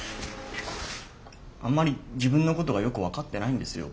あんまり自分のことがよく分かってないんですよ